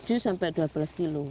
bisa sampai tujuh dua belas tahun